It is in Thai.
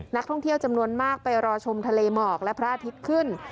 นักท่องเที่ยวจำนวนมากไปรอชมทะเลหมอกและพระอาทิตย์ขึ้น